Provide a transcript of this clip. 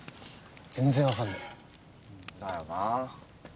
全然分かんねえだよな